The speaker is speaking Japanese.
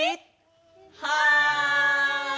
はい！